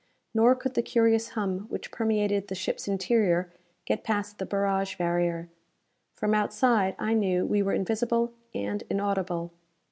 Nor could the curious hum which permeated the ship's interior get past the barrage barrier. From outside, I knew, we were invisible and inaudible.